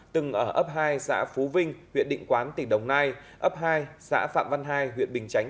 từng ở ấp hai xã phú vinh huyện định quán tỉnh đồng nai ấp hai xã phạm văn hai huyện bình chánh